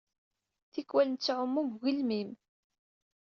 Tikkwal, nettɛumu deg ugelmim.